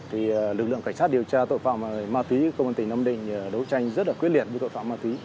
thì lực lượng cảnh sát điều tra tội phạm ma túy công an tỉnh nam định đấu tranh rất là quyết liệt với tội phạm ma túy